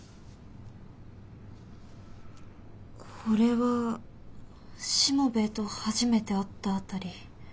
これはしもべえと初めて会った辺り。